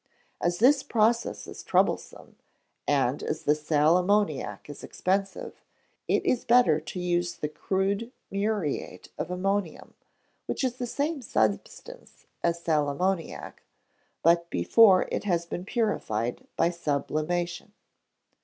As this process is troublesome, and as the sal ammoniac is expensive, it is better to use the crude muriate of ammonium, which is the same substance as sal ammoniac, but before it has been purified by sublimation.